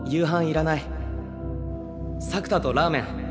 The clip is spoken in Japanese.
作田とラーメン！」。